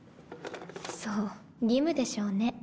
そう義務でしょうね。